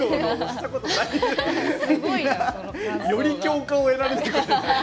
より共感を得られない！